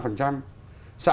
chính phủ sẽ bị đọc